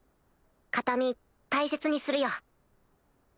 形見大切にするよ。